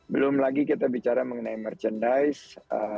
belum lagi kita bicara mengenai merchandise